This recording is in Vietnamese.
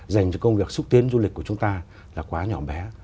dành cho công việc xúc tiến du lịch của chúng ta là quá nhỏ bé